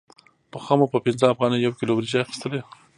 پخوا مو په پنځه افغانیو یو کیلو وریجې اخیستلې